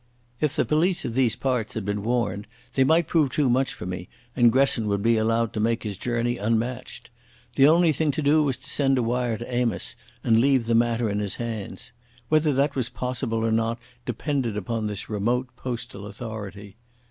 If the police of these parts had been warned they might prove too much for me, and Gresson would be allowed to make his journey unmatched. The only thing to do was to send a wire to Amos and leave the matter in his hands. Whether that was possible or not depended upon this remote postal authority.